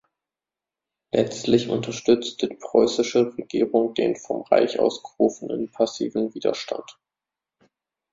Letztlich unterstützte die preußische Regierung den vom Reich ausgerufenen passiven Widerstand.